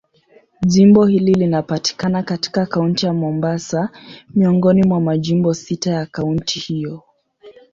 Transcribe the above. Jimbo hili linapatikana katika Kaunti ya Mombasa, miongoni mwa majimbo sita ya kaunti hiyo.